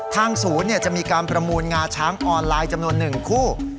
ทางศูนย์จะมีการประมูลงาช้างออนไลน์จำนวน๑คู่